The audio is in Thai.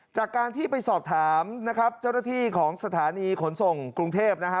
จากการที่ไปสอบถามนะครับเจ้าหน้าที่ของสถานีขนส่งกรุงเทพนะฮะ